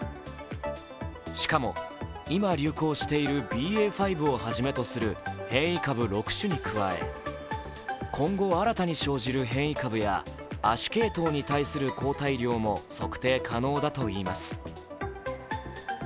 しかも今、流行しているＢＡ．５をはじめとする変異株６種に加え今後新たに生じる変異株や亜種系統に対する抗体量も測定可能だといいます。